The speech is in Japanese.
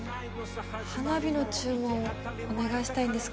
花火の注文お願いしたいんですけど。